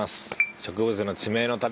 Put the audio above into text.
植物の地名の旅。